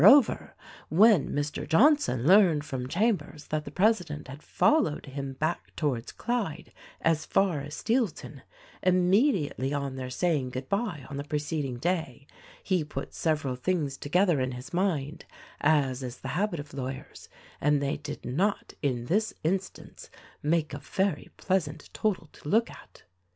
Moreover, when Mr. Johnson learned from Chambers that the president had followed him back towards Clyde as far as Steelton, immediately on their saying good bye on the pre ceding day, he put several things together in his mind, as is the habit of lawyers, and they did not in this instance make a very pleasant total to look at.